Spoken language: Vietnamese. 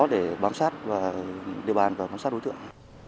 để bám sát vào địa bàn và bám sát đối tượng